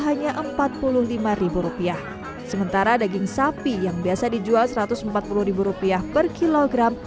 hanya empat puluh lima rupiah sementara daging sapi yang biasa dijual satu ratus empat puluh rupiah per kilogram